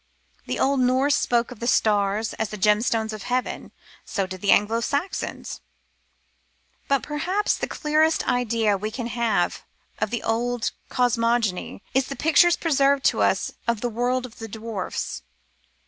^ The old Norse spoke of the stars as the " gemstones of heaven," so did the Anglo Saxons.* But perhaps the clearest idea we can have of the old cosmogony is from the pictures preserved to us of the world of the dwarfs.